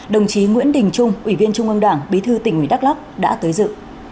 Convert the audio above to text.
đồng chí nguyễn đình trung ủy viên trung ương đảng bí thư tỉnh ủy đắk lắk đã tới dự